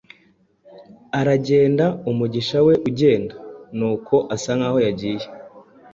aragenda, umugisha we ugenda, nuko asa nkaho yagiye: